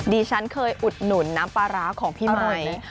ดิฉันเคยอุดหนุนน้ำปลาร้าของพี่ไมค์